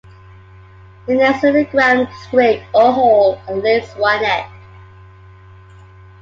It nests in a ground scrape or hole and lays one egg.